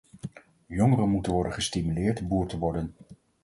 Jongeren moeten worden gestimuleerd boer te worden.